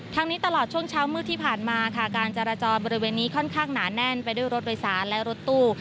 นี้ตลอดช่วงเช้ามืดที่ผ่านมาค่ะการจราจรบริเวณนี้ค่อนข้างหนาแน่นไปด้วยรถโดยสารและรถตู้